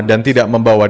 dan tidak membuat kesalahan